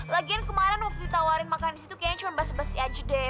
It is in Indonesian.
lagian kemarin waktu ditawarin makanan disitu kayaknya cuma basa basi aja deh